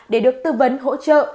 để được tư vấn hỗ trợ